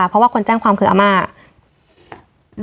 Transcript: เพราะว่าคนแจ้งความคืออาม่า